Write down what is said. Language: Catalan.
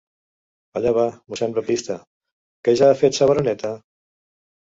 Allà va, mossèn Baptista, ¿que ja ha fet sa bereneta?